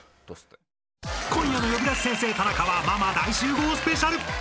今夜の「呼び出し先生タナカ」はママ大集合スペシャル。